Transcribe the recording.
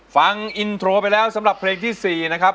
ฟังอินโทรไปแล้วสำหรับเพลงที่๔นะครับ